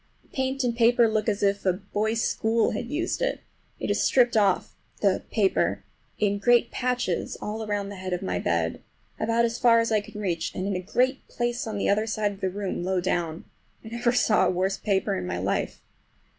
The paint and paper look as if a boys' school had used it. It is stripped off—the paper—in great patches all around the head of my bed, about as far as I can reach, and in a great place on the other side of the room low down. I never saw a worse paper in my life.